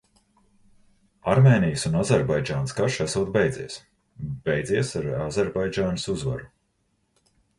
Armēnijas un Azerbaidžānas karš esot beidzies. Beidzies ar Azerbaidžānas uzvaru.